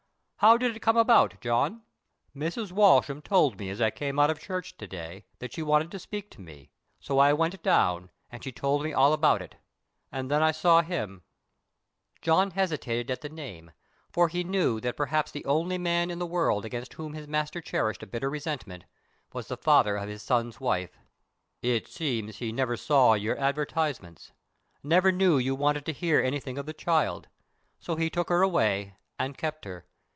How did it come about, John?" "Mrs. Walsham told me as I came out of church to day that she wanted to speak to me, so I went down, and she told me all about it, and then I saw him—" John hesitated at the name, for he knew that perhaps the only man in the world against whom his master cherished a bitter resentment was the father of his son's wife. "It seems he never saw your advertisements, never knew you wanted to hear anything of the child, so he took her away and kept her.